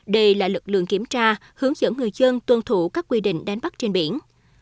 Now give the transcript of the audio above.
đây là lực lượng kiểm tra hướng dẫn người dân tuân thủ các quy định đánh bắt trên biển